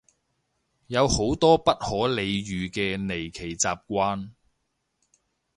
有好多不可理喻嘅離奇習慣